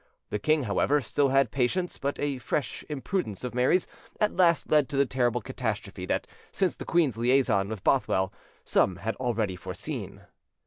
The king, however, still had patience; but a fresh imprudence of Mary's at last led to the terrible catastrophe that, since the queen's liaison with Bothwell, some had already foreseen.